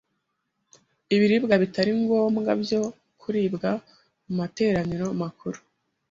ibiribwa bitari ngombwa byo kuribwa mu materaniro makuru